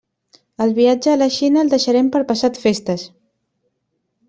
El viatge a la Xina el deixarem per passat festes.